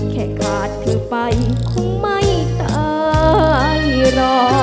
กาดเธอไปคงไม่ตายรอ